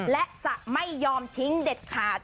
และจะไม่ยอมทิ้งเด็ดขาด